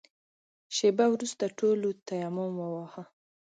شېبه وروسته ټولو تيمم وواهه.